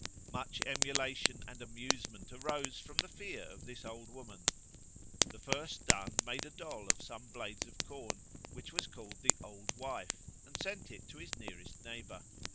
Much emulation and amusement arose from the fear of this old woman. ... The first done made a doll of some blades of corn, which was called the 'old wife,' and sent it to his nearest neighbour.